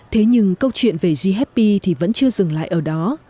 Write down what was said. thế nhưng câu chuyện về g happy thì vẫn chưa dừng lại ở đó